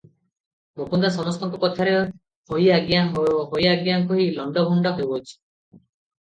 ମୁକୁନ୍ଦା ସମସ୍ତଙ୍କ କଥାରେ ହୋଇ ଆଜ୍ଞା, ହୋଇ ଆଜ୍ଞା କହି ଲଣ୍ତଭଣ୍ତ ହେଉଛି ।